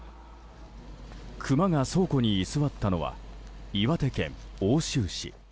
クマが倉庫に居座ったのは岩手県奥州市。